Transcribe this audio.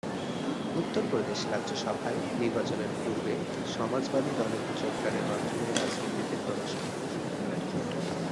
উত্তরপ্রদেশ রাজ্যসভায় নির্বাচনের পূর্বে সমাজবাদী দলে যোগদানের মাধ্যমে রাজনীতিতে প্রবেশ করেন।